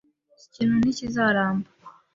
Iki kintu ntikizaramba.